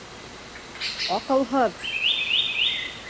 Аҡылһыҙ!